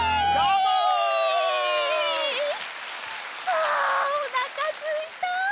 あおなかすいた！